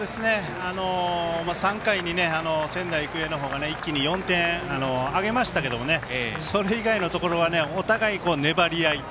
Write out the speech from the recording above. ３回に仙台育英の方が一気に４点挙げましたけれどもねそれ以外のところはお互い、粘り合い。